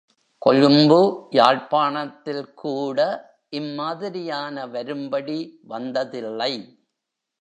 கொழும்பு, யாழ்ப்பாணத்தில் கூட இம்மாதிரியான வரும்படி வந்ததில்லை.